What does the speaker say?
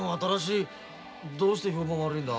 どうして評判悪いんだ？